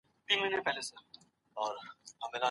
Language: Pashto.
که عاقل وو، لمونځ ئې کاوه اوروژه ئې نيوله، نوطلاق ئې واقع کيږي.